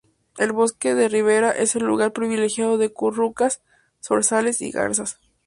El bosque de ribera es el lugar privilegiado de currucas, zorzales y garzas.